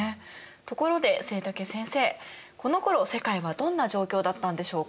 ところで季武先生このころ世界はどんな状況だったんでしょうか？